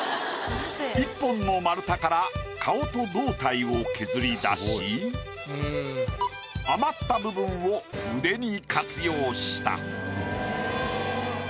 １本の丸太から顔と胴体を削り出し余った部分を腕に活用した。